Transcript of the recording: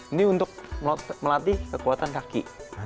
ini untuk melatih kekuatan kaki